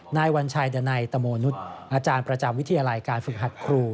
นายวัญชัยดันัยตโมนุษย์อาจารย์ประจำวิทยาลัยการฝึกหัดครู